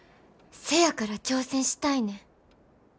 せやから挑戦したいねん。